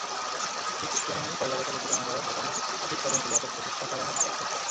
ঠিক তেমনি পয়লা বৈশাখের বেদনাদায়ক ঘটনাও সঠিক তদন্তে ব্যাপক প্রচেষ্টা চালানো আবশ্যক।